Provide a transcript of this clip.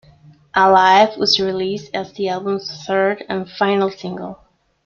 "Alive" was released as the album's third and final single.